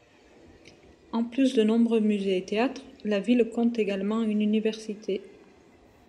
En plus de nombreux musées et théâtres, la ville compte également une université.